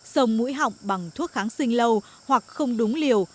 xông mũi họng bằng thuốc kháng sinh lâu hoặc không đúng liều